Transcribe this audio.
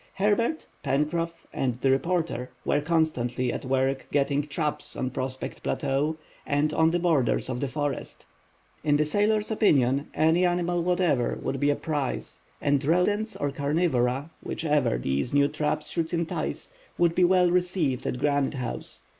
Herbert, Pencroff, and the reporter were constantly at work getting traps on Prospect Plateau and on the borders of the forest. In the sailor's opinion any animal whatever would be a prize, and rodents or carnivora, whichever these new traps should entice, would be well received at Granite House.